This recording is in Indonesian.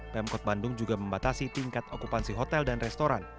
pemkot bandung juga membatasi tingkat okupansi hotel dan restoran